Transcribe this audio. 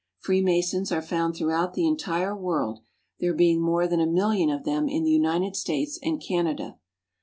Freemasons are found throughout the entire world, there being more than a million of them in the United States and Canada.